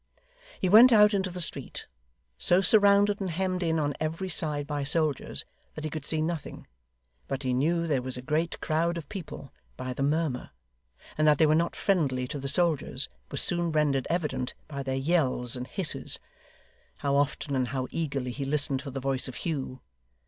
He went out into the street, so surrounded and hemmed in on every side by soldiers, that he could see nothing; but he knew there was a great crowd of people, by the murmur; and that they were not friendly to the soldiers, was soon rendered evident by their yells and hisses. How often and how eagerly he listened for the voice of Hugh!